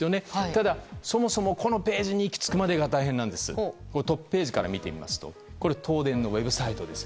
ただ、そもそも、このページに行きつくまでが大変でトップページから行くと東電のウェブサイトです。